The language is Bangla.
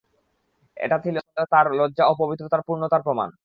এটা ছিল তার লজ্জা ও পবিত্রতার পূর্ণতার প্রমাণ।